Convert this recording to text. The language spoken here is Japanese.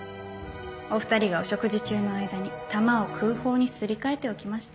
お２人がお食事中の間に弾を空砲にすり替えておきました。